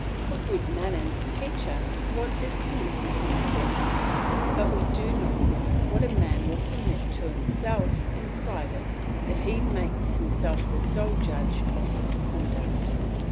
For good manners teach us what is permitted in public; but we do not know what a man will permit to himself in private, if he makes himself the sole judge of his conduct."